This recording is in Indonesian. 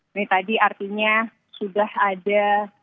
ini tadi artinya sudah ada